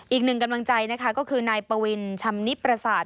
อีกหนึ่งกำลังใจนะคะก็คือนายปวินชำนิประสาท